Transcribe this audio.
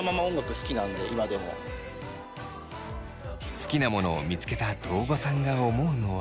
好きなものを見つけた堂後さんが思うのは。